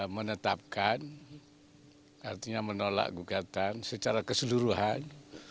menetapkan artinya menolak gugatan secara keseluruhan